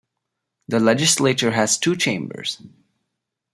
The Legislature has two chambers.